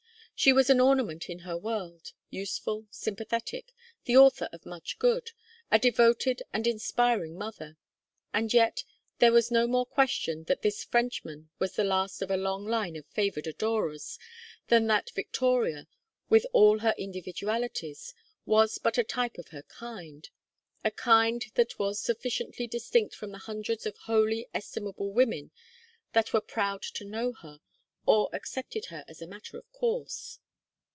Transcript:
She was an ornament in her world, useful, sympathetic, the author of much good, a devoted and inspiring mother. And yet there was no more question that this Frenchman was the last of a long line of favored adorers than that Victoria, for all her individualities, was but a type of her kind: a kind that was sufficiently distinct from the hundreds of wholly estimable women that were proud to know her, or accepted her as a matter of course.